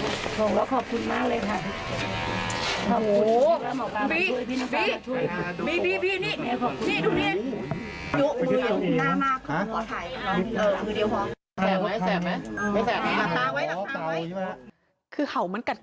เออดูหูนึงขาวจะเข้าหูนึงเร็ว